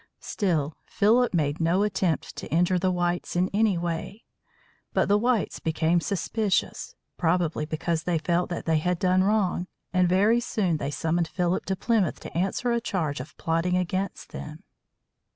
Still, Philip made no attempt to injure the whites in any way. But the whites became suspicious, probably because they felt that they had done wrong; and very soon they summoned Philip to Plymouth to answer a charge of plotting against them.